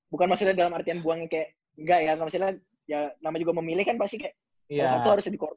bukan maksudnya dalam artian buang kayak enggak ya namanya gue memilih kan pasti kayak satu satu harus dikorban